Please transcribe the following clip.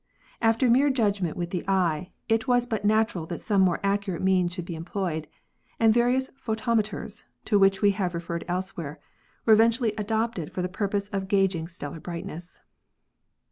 After mere judgment with the eye, it was but natural that some more accurate means should be employed, and vari ous photometers, to which we have referred elsewhere, were eventually adopted for the purpose of gaging stellar brightness.